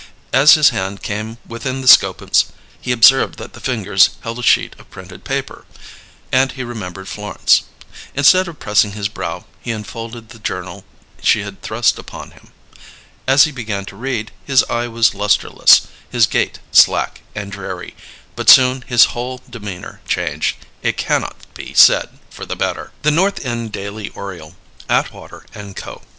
As his hand came within the scope of his gaze, levelled on the unfathomable distance, he observed that the fingers held a sheet of printed paper; and he remembered Florence. Instead of pressing his brow he unfolded the journal she had thrust upon him. As he began to read, his eye was lustreless, his gait slack and dreary; but soon his whole demeanour changed, it cannot be said for the better. THE NORTH END DAILY ORIOLE Atwater & Co.